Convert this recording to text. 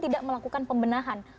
tidak melakukan pembenahan